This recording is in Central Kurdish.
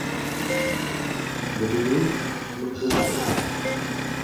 لە بێرووت خستمە پۆستەوە